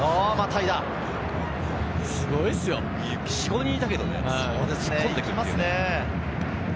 ４５人いたけれど突っ込んできます。